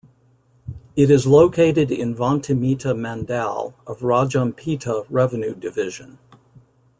It is located in Vontimitta mandal of Rajampeta revenue division.